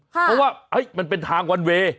เพราะว่ามันเป็นทางวันเวย์